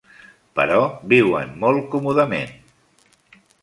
Però viuen molt còmodament.